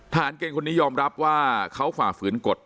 เกณฑ์คนนี้ยอมรับว่าเขาฝ่าฝืนกฎ